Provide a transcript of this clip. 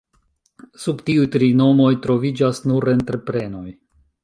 Sub tiuj tri nomoj troviĝas nur entreprenoj.